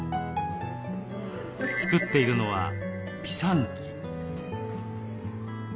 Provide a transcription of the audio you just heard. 作っているのはピサンキ。